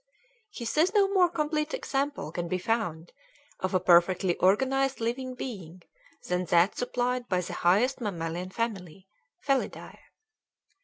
He says no more complete example can be found of a perfectly organized living being than that supplied by the highest mammalian family Felidae.